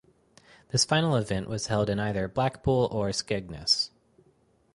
This final event was held in either Blackpool or Skegness.